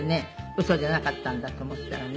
ウソじゃなかったんだと思ったらね。